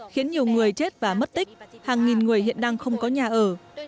khiến nhiều người chết và mất tích hàng nghìn người hiện đang không có nhà ở